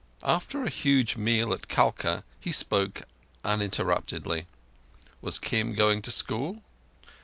After a huge meal at Kalka, he spoke uninterruptedly. Was Kim going to school?